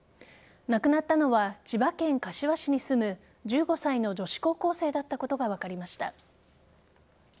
亡くなったのは千葉県柏市に住む１５歳の女子高校生だったことが分かりました。